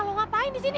nah lo ngapain disini